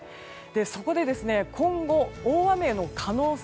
そこで今後、大雨の可能性